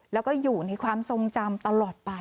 แล้วก็อยู่ในความทรงจำตลอดไป